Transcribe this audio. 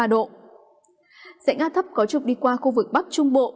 dãnh áp thấp có trục đi qua khu vực bắc trung bộ